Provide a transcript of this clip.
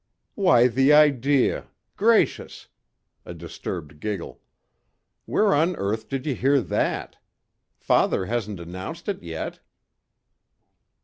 "Why the idea! Gracious!" A disturbed giggle. "Where on earth did you hear that! Father hasn't announced it yet."